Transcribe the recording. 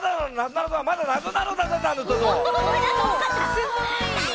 すごい。